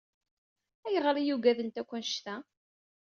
Ayɣer i yugadent akk annect-a?